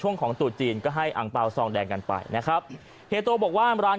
ของตู่จีนก็ให้อังเปล่าซองแดงกันไปนะครับเฮียโตบอกว่าร้าน